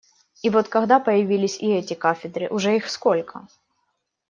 И вот, когда появились и эти кафедры, уже их сколько?